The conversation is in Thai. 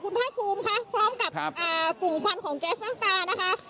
คุณภาคภูมิค่ะครับครับอ่ากลุ่มควันของแก๊สตั้งตานะคะ